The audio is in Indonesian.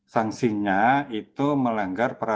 sanksinya itu melanggar peraturan